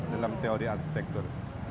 dalam teori arsitektur